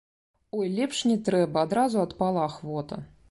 Ой, лепш не трэба, адразу адпала ахвота.